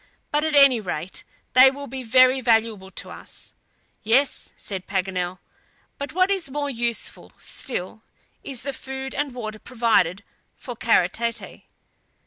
But at any rate, they will be very valuable to us." "Yes," said Paganel, "but what is more useful still is the food and water provided for Kara Tete."